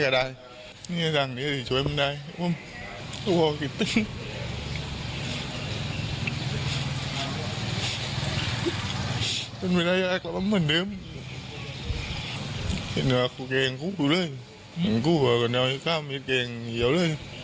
เขามีสิทธิ์ที่จะมาทำร้ายเราประเทศมั้ยที่เขามีท่าทีมาวิแบบอะไร